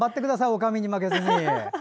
おかみに負けずに。